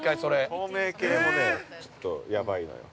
◆透明系もねちょっと、やばいのよ。